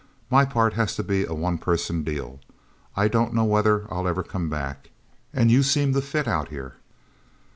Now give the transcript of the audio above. "My part has to be a one person deal. I don't know whether I'll ever come back. And you seem to fit, out here."